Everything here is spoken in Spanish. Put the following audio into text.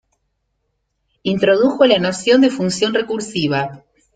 Introdujo la noción de función recursiva.